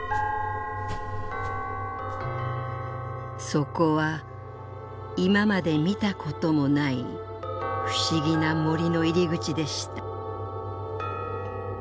「そこは今まで見たこともない不思議な森の入り口でした」。